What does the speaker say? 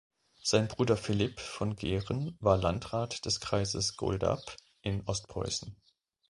Sein Bruder Philipp von Gehren war Landrat des Kreises Goldap in Ostpreußen.